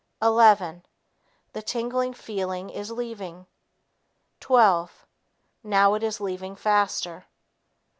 Eleven ... The tingling feeling is leaving. Twelve ... Now it is leaving faster.